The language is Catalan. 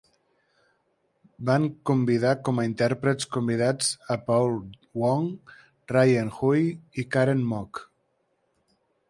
Van convidar com a intèrprets convidats a Paul Wong, Ryan Hui i Karen Mok.